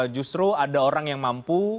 justru ada orang yang mampu